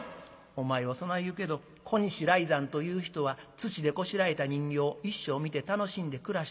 「お前はそない言うけど小西来山という人は土でこしらえた人形一生見て楽しんで暮らしたというねん。